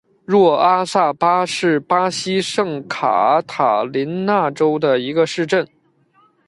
若阿萨巴是巴西圣卡塔琳娜州的一个市镇。